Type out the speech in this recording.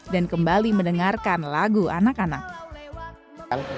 kembali mendengarkan lagu anak anak